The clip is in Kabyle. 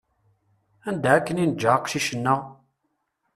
Anda akken i neǧǧa aqcic-nneɣ?